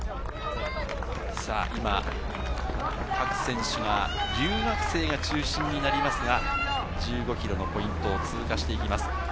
今、各選手、留学生が中心になりますが、１５ｋｍのポイントを通過していきます。